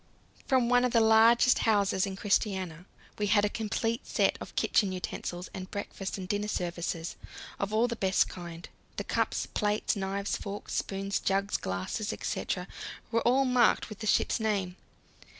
From one of the largest houses in Christiania we had a complete set of kitchen utensils and breakfast and dinner services, all of the best kind. The cups, plates, knives, forks, spoons, jugs, glasses, etc., were all marked with the ship's name.